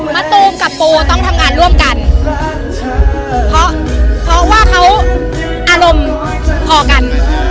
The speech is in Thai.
มะตูมกับปูต้องทำงานร่วมกันเพราะว่าเขาอารมณ์พอกัน